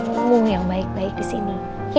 aku ngomong yang baik baik disini